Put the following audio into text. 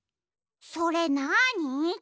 それなに？